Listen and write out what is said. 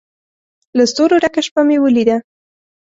له ستورو ډکه شپه مې ولیده